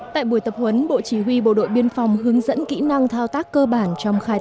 tại buổi tập huấn bộ chỉ huy bộ đội biên phòng hướng dẫn kỹ năng thao tác cơ bản